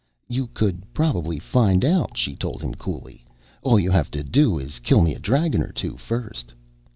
"You could probably find out," she told him coolly. "All you have to do is kill me a dragon or two first."